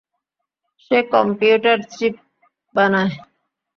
সে computer chip বানায়।